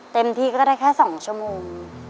เต็มที่ก็ได้แค่๒ชั่วโมง